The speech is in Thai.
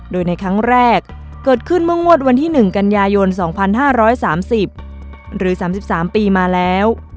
โดยในครั้งแรกเกิดขึ้นเมื่องวดวันที่๑กันยายน๒๕๓๐หรือ๓๓ปีมาแล้ว